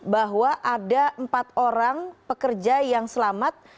bahwa ada empat orang pekerja yang selamat